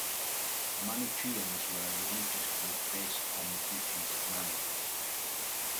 The Manicheans were a religious group based on the teachings of Mani.